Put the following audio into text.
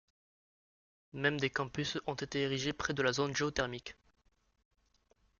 Même des campus ont été érigés près de la zone géothermique.